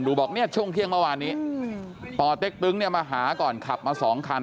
บอกเนี่ยช่วงเที่ยงเมื่อวานนี้ปเต็กตึงเนี่ยมาหาก่อนขับมาสองคัน